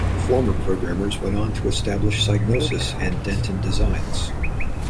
Former programmers went on to establish Psygnosis and Denton Designs.